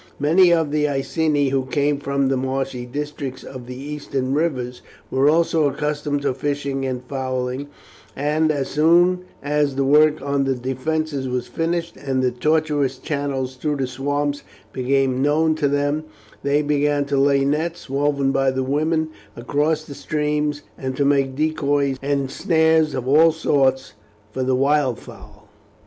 Many of the Iceni, who came from the marshy districts of the eastern rivers, were also accustomed to fishing and fowling, and, as soon as the work on the defences was finished and the tortuous channels through the swamps became known to them, they began to lay nets, woven by the women, across the streams, and to make decoys and snares of all sorts for the wildfowl.